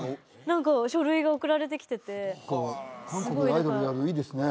何か書類が送られてきてて韓国でアイドルやるのいいですね